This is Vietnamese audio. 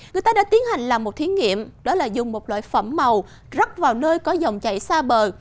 người ta đã tiến hành làm một thí nghiệm đó là dùng một loại phẩm màu rắc vào nơi có dòng chảy xa bờ